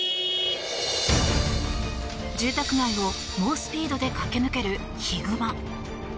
住宅街を猛スピードで駆け抜けるヒグマ。